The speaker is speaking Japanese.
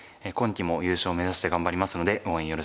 今期も優勝を目指して頑張りますので応援